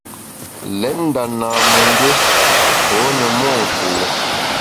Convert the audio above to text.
Lét nda namemgbié pô ne monku.